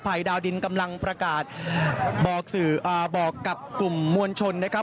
ดาวดินกำลังประกาศบอกกับกลุ่มมวลชนนะครับ